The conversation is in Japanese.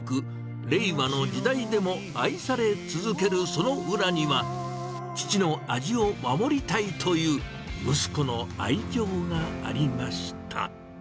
令和の時代でも愛され続けるその裏には、父の味を守りたいという息子の愛情がありました。